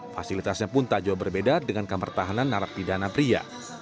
fasilitasnya pun tak jauh berbeda dengan kamar tahanan narapidana pria